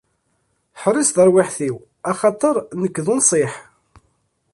Ḥrez tarwiḥt-iw, axaṭer nekk, d unṣiḥ!